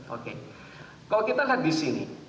oke kalau kita lihat di sini